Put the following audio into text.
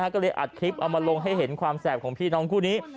ก็เลยอัดคลิปเอามาลงให้เห็นความแสบของพี่น้องคู่นี้